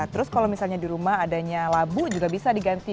terus kalau misalnya di rumah adanya labu juga bisa diganti